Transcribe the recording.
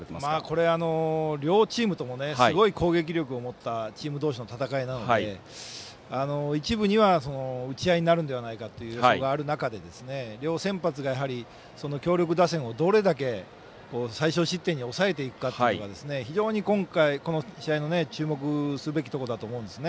これは両チームともすごい攻撃力を持ったチーム同士の戦いなので、一部には打ち合いになるのではないかと予想がある中で両先発が強力打線をどれだけ最少失点に抑えていくかが非常にこの試合の注目すべきところだと思います。